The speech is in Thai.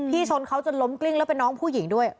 ชนเขาจนล้มกลิ้งแล้วเป็นน้องผู้หญิงด้วย